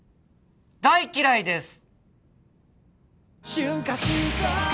「大嫌いです」